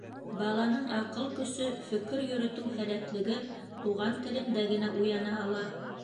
Баланың аҡыл көсө, фекер йөрөтөү һәләтлеге туған телендә генә уяна ала.